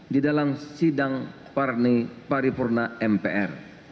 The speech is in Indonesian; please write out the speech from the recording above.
di dalam sidang paripurna mpr